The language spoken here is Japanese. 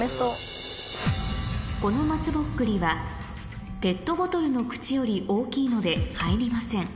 この松ぼっくりはペットボトルの口より大きいので入りません